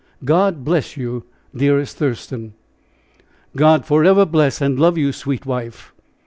God bless you, dearest Thurston." "God forever bless and love you, sweet wife."